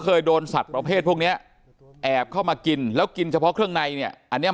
เคยโดนสัตว์ประเภทพวกเนี้ยแอบเข้ามากินแล้วกินเฉพาะเครื่องในเนี่ยอันเนี้ย